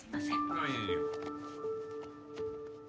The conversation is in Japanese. ああいえいえ。